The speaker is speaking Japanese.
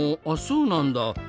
あっそうなんだ。